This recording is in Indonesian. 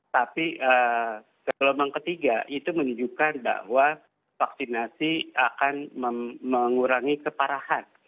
tapi gelombang ketiga itu menunjukkan bahwa vaksinasi akan mengurangi keparahan